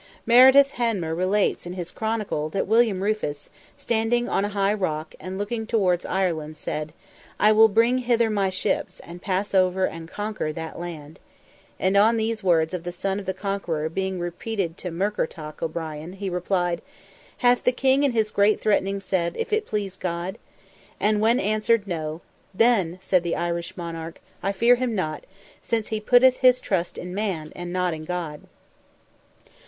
Meredith Hanmer relates in his Chronicle that William Rufus, standing on a high rock, and looking towards Ireland said: "I will bring hither my ships, and pass over and conquer that land;" and on these words of the son of the Conqueror being repeated to Murkertach O'Brien, he replied: "Hath the King in his great threatening said if it please God?" and when answered "No;" "Then," said the Irish monarch, "I fear him not, since he putteth his trust in man and not in God."